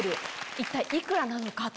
一体幾らなのかと。